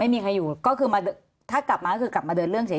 ไม่มีใครอยู่ก็คือมาถ้ากลับมาก็คือกลับมาเดินเรื่องเสร็จ